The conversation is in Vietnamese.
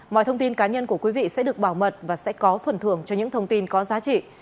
mọi thông tin cá nhân của quý vị sẽ được bảo mật và sẽ có phần thưởng cho những thông tin có giá trị